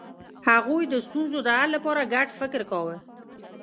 هغوی د ستونزو د حل لپاره ګډ فکر کاوه.